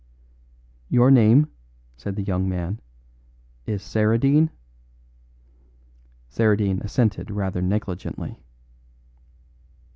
"Your name," said the young man, "is Saradine?" Saradine assented rather negligently.